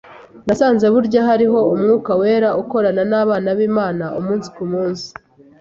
Nasanze burya hariho Umwuka wera ukorana n’abana b’Imana umunsi ku munsi,